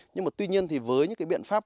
nhưng mà tuy nhiên thì với những cái biện pháp